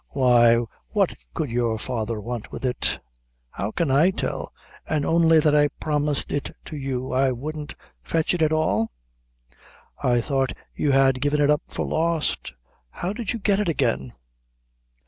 "Why, what could your father want with it?" "How can I tell? an' only that I promised it to you, I wouldn't fetch it at all?" "I thought you had given it up for lost; how did you get it again?"